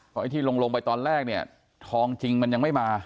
เพราะไอ้ที่ลงไปตอนแรกเนี่ยทองจริงมันยังไม่มา